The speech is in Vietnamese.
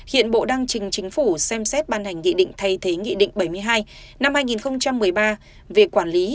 hiện bộ đang trình chính phủ xem xét ban hành nghị định thay thế nghị định bảy mươi hai năm hai nghìn một mươi ba về quản lý